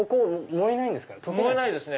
燃えないですね